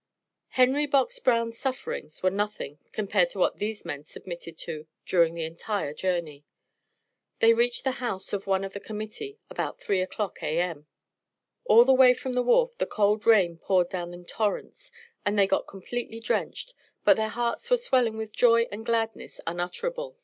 Henry Box Brown's sufferings were nothing, compared to what these men submitted to during the entire journey. They reached the house of one of the Committee about three o'clock, A.M. All the way from the wharf the cold rain poured down in torrents and they got completely drenched, but their hearts were swelling with joy and gladness unutterable.